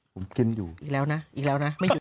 ผมกินอยู่อีกแล้วนะอีกแล้วนะไม่หยุด